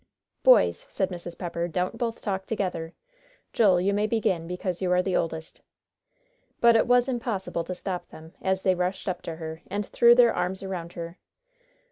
"Boys," said Mrs. Pepper, "don't both talk together. Joel, you may begin, because you are the oldest." But it was impossible to stop them, as they rushed up to her and threw their arms around her.